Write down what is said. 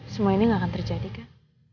semua ini nggak akan terjadi kak